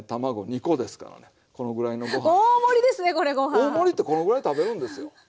大盛りってこのぐらい食べるんですよ。